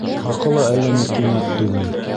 Хаҡы ла әллә ни ҡиммәт түгел.